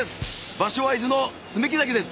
場所は伊豆の爪木崎です。